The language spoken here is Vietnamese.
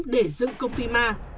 để dựng công ty ma